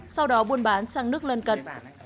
sau đó buôn bán sang nước lân cận